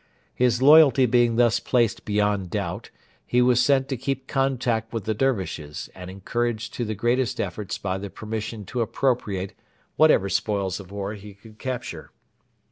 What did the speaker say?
His loyalty being thus placed beyond doubt, he was sent to keep contact with the Dervishes and encouraged to the greatest efforts by the permission to appropriate whatever spoils of war he could capture.